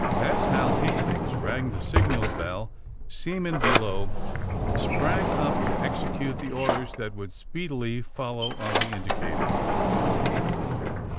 As Hal Hastings rang the signal bell seamen below sprang up to execute, the orders that would speedily follow on the indicator.